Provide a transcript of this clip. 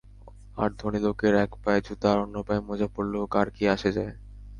আর ধনী লোকের একপায়ে জুতা আর অন্যপায়ে মোজা পড়লেও কার কি আসে যায়!